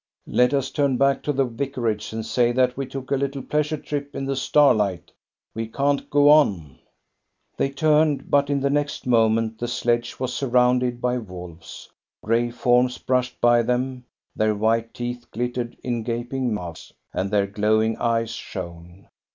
" Let us turn back to the vicarage and say that we took a little pleasure trip in the starlight. We can't go on." They turned, but in the next moment the sledge was surrounded by wolves. Gray forms brushed by them, their white teeth glittered in gaping mouths, and their glowing eyes shone.